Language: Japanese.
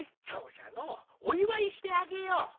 そうじゃの。お祝いしてあげよう。